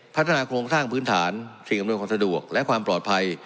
พัฒนาโครงสร้างพื้นฐานสิ่งอำนวยความสะดวกและความปลอดภัย